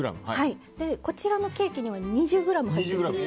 こちらのケーキには２０ｇ入っています。